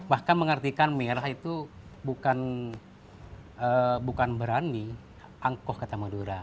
bahkan mengertikan merah itu bukan berani angkoh kata medora